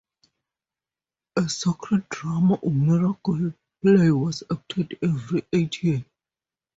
A sacred drama or miracle-play was acted every eighth year.